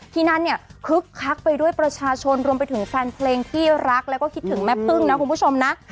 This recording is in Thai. ที่นั่นเนี่ยคึกคักไปด้วยประชาชนรวมไปถึงแฟนเพลงที่รักแล้วก็คิดถึงแม่พึ่งนะคุณผู้ชมนะ